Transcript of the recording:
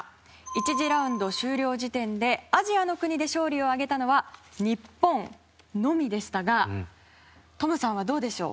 １次ラウンド終了時点でアジアの国で勝利を挙げたのは日本のみでしたがトムさんはどうでしょう？